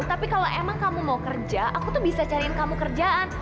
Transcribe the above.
tapi kalau emang kamu mau kerja aku tuh bisa cariin kamu kerjaan